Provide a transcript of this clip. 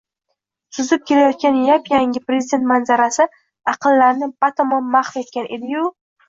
suzib kelayotgan yap-yangi prezident manzarasi aqllarni batamom mahv etgan edi-yu